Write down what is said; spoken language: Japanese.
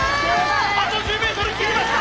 あと１０メートル切りました！